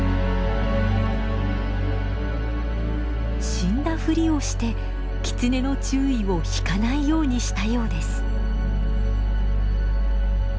死んだふりをしてキツネの注意を引かないようにしたようです。